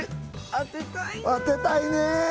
当てたいね。